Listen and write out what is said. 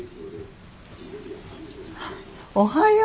おはよう。